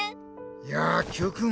いやあＱくん